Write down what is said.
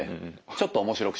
ちょっと面白く？